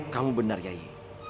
kamu benar yayi